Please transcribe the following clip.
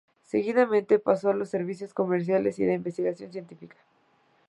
Seguidamente pasó a los servicios comerciales y de investigación científica.